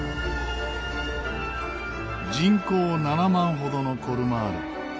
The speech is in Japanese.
人口７万ほどのコルマール。